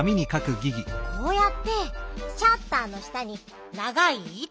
こうやってシャッターの下にながいいたを入れる。